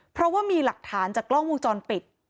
เพราะว่ามีหลักฐานจากกล้องวงจรปิด